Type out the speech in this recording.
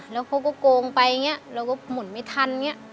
แล้วเขาก็โกงไปเราก็หมุนไม่ทัน